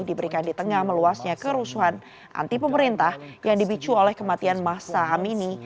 diberikan di tengah meluasnya kerusuhan anti pemerintah yang dibicu oleh kematian masa hamini